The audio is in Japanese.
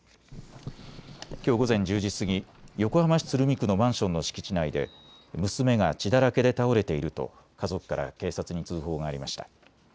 きょう午前１０時過ぎ、横浜市鶴見区のマンションの敷地内で娘が血だらけで倒れていると家族から警察に通報がありました。